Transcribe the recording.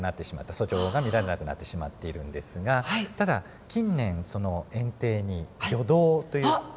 遡上が見られなくなってしまっているんですがただ近年堰堤に魚道といって。